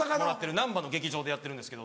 難波の劇場でやってるんですけど。